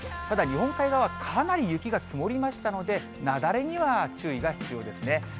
ただ日本海側、かなり雪が積もりましたので、雪崩には注意が必要ですね。